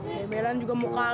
gembelan juga muka lo